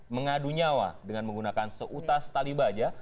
mengadu nyawa dengan menggunakan seutas talibah aja